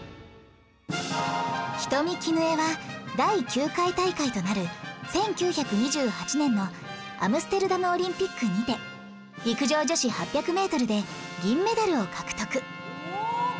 人見絹枝は第９回大会となる１９２８年のアムステルダムオリンピックにて陸上女子８００メートルで銀メダルを獲得